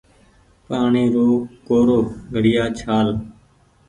پآڻيٚ رو ڪورو گھڙيآ ڇآل